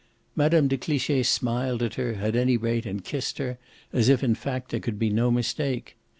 Mme. de Cliche smiled at her at any rate and kissed her, as if in fact there could be no mistake.